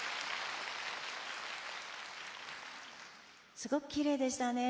「すごくきれいでしたね。